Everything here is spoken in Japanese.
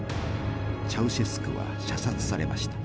チャウシェスクは射殺されました。